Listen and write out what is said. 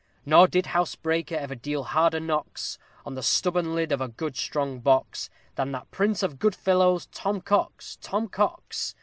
_ Nor did housebreaker ever deal harder knocks On the stubborn lid of a good strong box, Than that prince of good fellows, TOM COX, TOM COX!